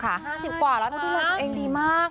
๕๐กว่าแล้วเขาดูแลตัวเองดีมาก